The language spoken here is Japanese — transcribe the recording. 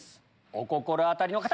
お心当たりの方！